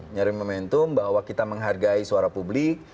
nyari momentum bahwa kita menghargai suara publik